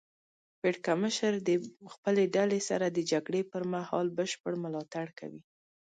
پړکمشر د خپلې ډلې سره د جګړې پر مهال بشپړ ملاتړ کوي.